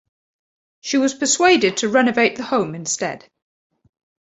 She was persuaded to renovate the home instead.